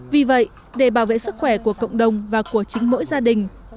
vì vậy để bảo vệ sức khỏe của cộng đồng và của chính mỗi gia đình